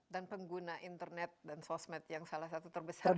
dan pengguna internet dan sosmed yang salah satu terbesar di dunia